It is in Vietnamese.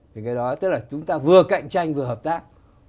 thì cái đó tức là chúng ta vừa cạnh tranh vừa hợp tác